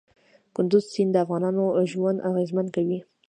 کندز سیند د افغانانو ژوند اغېزمن کوي.